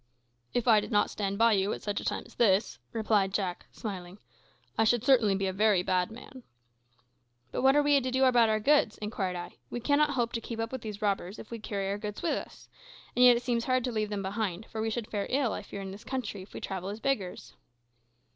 "If I did not stand by you at such a time as this," replied Jack, smiling, "I should certainly be a very bad man." "But what are we to do about our goods?" inquired I, "We cannot hope to keep up with these robbers if we carry our goods with us; and yet it seems hard to leave them behind, for we should fare ill, I fear, in this country if we travel as beggars."